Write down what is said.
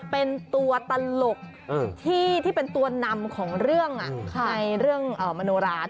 เป็นตัวตลกที่เป็นตัวนำของเรื่องมโนรา